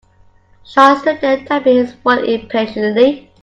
Sean stood there tapping his foot impatiently.